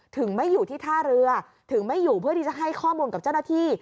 ถึงไม่อยู่ที่ท่าเรือถึงไม่อยู่เพื่อที่จะให้ข้อมูลกับเจ้าหน้าที่